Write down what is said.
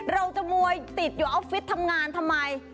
มวยติดอยู่ออฟฟิศทำงานทำไม